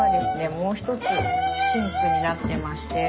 もう一つシンクになってまして。